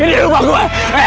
ini rumah gue